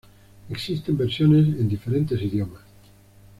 Existen versiones en diferentes idiomas.